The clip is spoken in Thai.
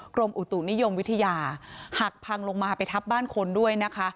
กรมอุตุนิยมวิทยาหักพังลงมาไปทับบ้านคนด้วยนะคะ